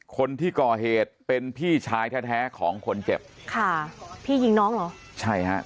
คนที่ก่อเหตุเป็นพี่ชายแท้แท้ของคนเจ็บค่ะพี่ยิงน้องเหรอใช่ฮะ